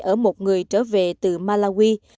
ở một người trở về từ malawi